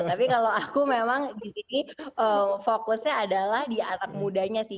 tapi kalau aku memang di sini fokusnya adalah di anak mudanya sih